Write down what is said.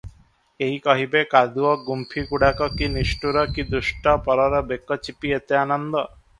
କେହି କହିବେ, କାଦୁଅଗୁମ୍ଫିଗୁଡ଼ାକ କି ନିଷ୍ଠୁର, କି ଦୁଷ୍ଟ, ପରର ବେକ ଚିପି ଏତେ ଆନନ୍ଦ!